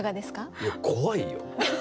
いや怖いよ。